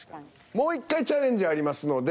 もう１回チャレンジありますので。